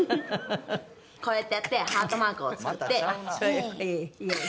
こうやってやってハートマークを作ってイエーイ！